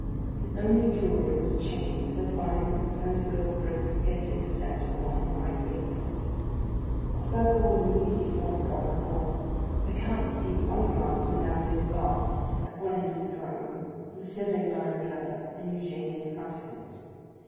His only jewellery was a chain, so fine that the slender gold thread was scarcely perceptible on his white waistcoat. A circle was immediately formed around the door. The count perceived at one glance Madame Danglars at one end of the drawing room, M. Danglars at the other, and Eugénie in front of him.